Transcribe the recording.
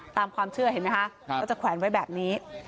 ตามความเชื่อเห็นไหมคะก็จะแขวนไว้แบบนี้